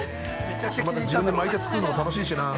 また、自分で巻いて作るのも楽しいしな。